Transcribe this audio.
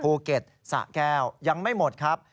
ภูเก็ตสะแก้วยังไม่หมดครับ